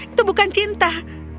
itu bukan cinta kekuaku